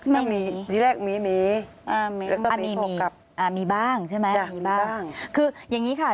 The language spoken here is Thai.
ไม่มีทีแรกมีแล้วก็ไปพวกกับมีบ้างใช่ไหมคืออย่างนี้ค่ะ